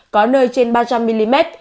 có nơi trên ba trăm linh mm